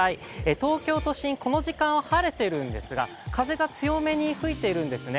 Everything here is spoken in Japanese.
東京都心、この時間は晴れているんですが風が強めに吹いているんですね。